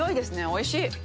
おいしい！